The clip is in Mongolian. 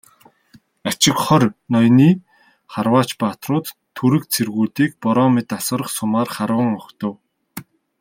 Ачигхори ноёны харваач баатрууд түрэг цэргүүдийг бороо мэт асгарах сумаар харван угтав.